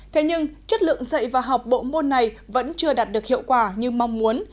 thế nhưng chất lượng dạy và học bộ môn này vẫn chưa đạt được hiệu quả như mong muốn